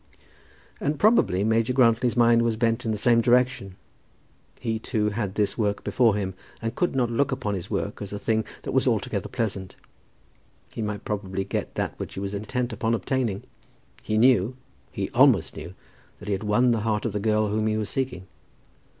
And probably Major Grantly's mind was bent in the same direction. He, too, had this work before him, and could not look upon his work as a thing that was altogether pleasant. He might probably get that which he was intent upon obtaining. He knew, he almost knew, that he had won the heart of the girl whom he was seeking.